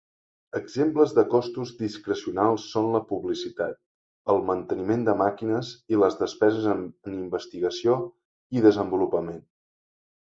Exemples de costos discrecionals són la publicitat, el manteniment de màquines i les despeses en investigació i desenvolupament.